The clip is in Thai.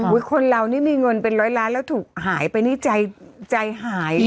คนเรานี่มีเงินเป็นร้อยล้านแล้วถูกหายไปนี่ใจหาย